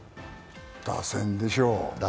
打線でしょう。